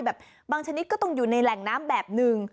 บางชนิดก็ต้องอยู่ในแหล่งน้ำแบบหนึ่ง